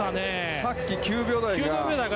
さっき、９秒台が。